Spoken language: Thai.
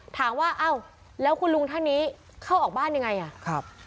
ถามว่าอ้าวแล้วคุณลุงท่านนี้เข้าออกบ้านยังไงอ่ะครับ